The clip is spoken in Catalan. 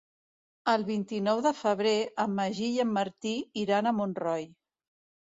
El vint-i-nou de febrer en Magí i en Martí iran a Montroi.